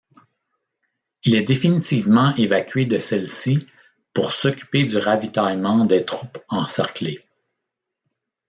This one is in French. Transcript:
Il est définitivement évacué de celle-ci pour s'occuper du ravitaillement des troupes encerclées.